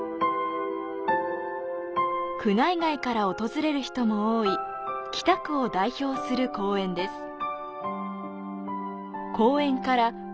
区内外から訪れる人も多い北区を代表する公園です。